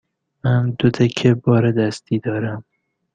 من دو تکه بار دستی دارم.